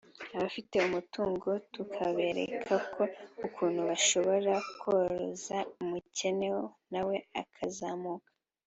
abafite amatungo tukabereka ukuntu bashobora koroza umukene na we akazamuka”